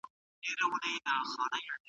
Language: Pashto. ځينې وايي سياست يوازې تجربوي پوهه نه ده.